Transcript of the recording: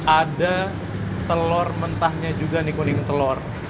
ada telur mentahnya juga nih kuning telur